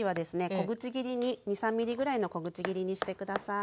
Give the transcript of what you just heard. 小口切りに２３ｍｍぐらいの小口切りにして下さい。